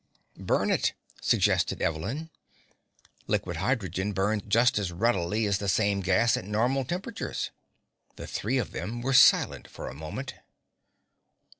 "Burn it," suggested Evelyn. "Liquid hydrogen burns just as readily as the same gas at normal temperatures." The three of them were silent for a moment.